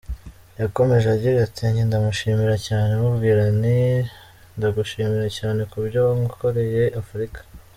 Yakomeje agira ati ” Njye ndamushimira cyane, mubwira nti ‘Ndagushimira cyane kubyo wakoreye Afurika’.